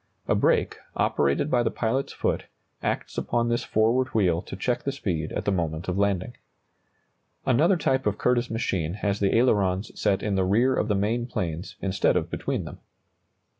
A brake, operated by the pilot's foot, acts upon this forward wheel to check the speed at the moment of landing. Another type of Curtiss machine has the ailerons set in the rear of the main planes, instead of between them.